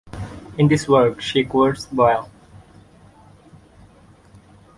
In this work, she quotes Boyle.